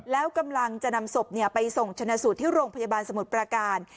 แล้วกำลังจะนำศพไปส่งชนะสูตรที่โรงพยาบาลสมุทรประการ